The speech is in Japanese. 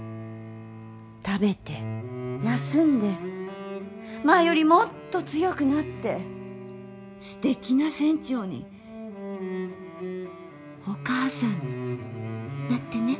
食べて休んで前よりもっと強くなってすてきな船長にお母さんになってね。